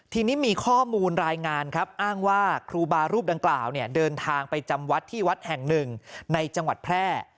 ทีนี้มีข้อมูลรายงานครับอ้างว่าครูบารูปดังกล่าวเนี่ยเดินทางไปจำวัดที่วัดแห่งหนึ่งในจังหวัดแพร่